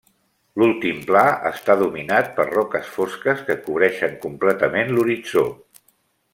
L'últim pla està dominat per roques fosques que cobreixen completament l'horitzó.